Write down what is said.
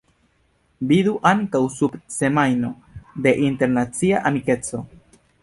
Vidu ankaŭ sub Semajno de Internacia Amikeco.